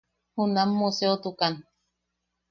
Junam museotukan.